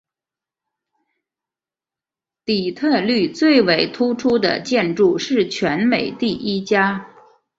底特律最为突出的建筑是全美第一家。